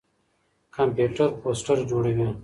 کمپيوټر پوسټر جوړوي.